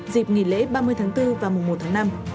dịp nghỉ lễ ba mươi tháng bốn và mùa một tháng năm